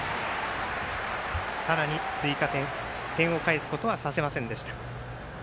さらに追加点、点を返すことはさせませんでした。